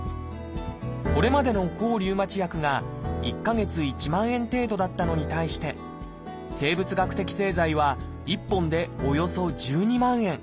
これまでの抗リウマチ薬が１か月１万円程度だったのに対して生物学的製剤は１本でおよそ１２万円。